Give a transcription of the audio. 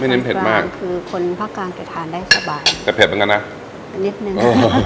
เน้นเผ็ดมากคือคนภาคกลางจะทานได้สบายแต่เผ็ดเหมือนกันนะนิดนึง